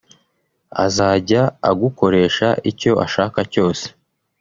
azajya agukoresha icyo ashaka cyose